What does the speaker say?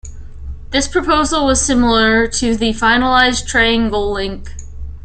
This proposal was similar to the finalized Triangle Link.